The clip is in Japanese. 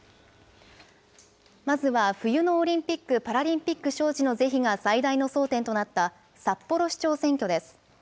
まずは冬のオリンピック・パラリンピック招致の是非が最大の争点となった札幌市長選挙です。